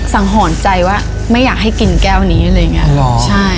สังหรณ์ใจว่าไม่อยากให้กินแก้วนี้อะไรอย่างนี้